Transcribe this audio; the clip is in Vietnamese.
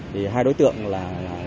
thì hai đối tượng là